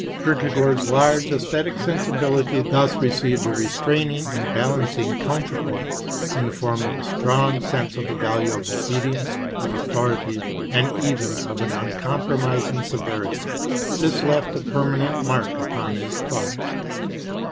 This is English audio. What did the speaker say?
Kierkegaard's large esthetic sensibility thus received a restraining and balancing counterpoise in the form of a strong sense of the value of obedience, of authority, and even of an uncompromising severity. This left a permanent mark upon his thought.